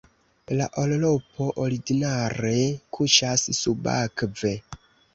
La orlopo ordinare kuŝas subakve.